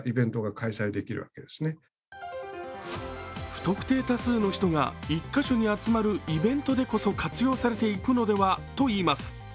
不特定多数の人が１カ所に集まるイベントでこそ活用されていくのではといいます。